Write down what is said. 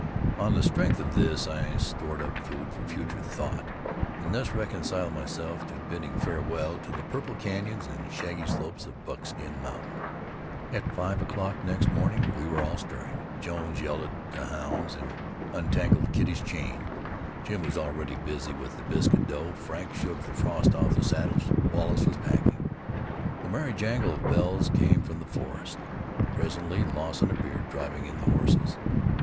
On the strength of this I stored up food for future thought and thus reconciled myself to bidding farewell to the purple canyons and shaggy slopes of Buckskin Mountain. At five o'clock next morning we were all stirring. Jones yelled at the hounds and untangled Kitty's chain. Jim was already busy with the biscuit dough. Frank shook the frost off the saddles. Wallace was packing. The merry jangle of bells came from the forest, and presently Lawson appeared driving in the horses.